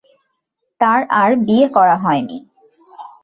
তার আর বিয়ে করা হয়নি।